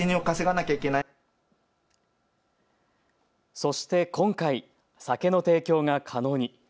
そして今回、酒の提供が可能に。